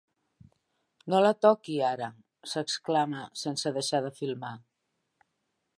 No la toqui, ara! —s'exclama, sense deixar de filmar.